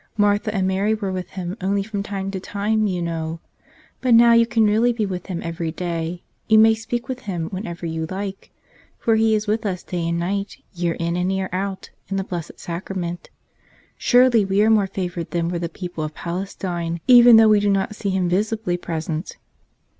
Martha and Mary were with Him only from time to time, you know. But now you can really be with Him every day; you may speak with Him when¬ ever you like ; for He is with us day and night, year in and year out, in the Blessed Sacrament. Surely, we are more favored than were the people of Pales¬ tine, even though we do not see Him visibly present."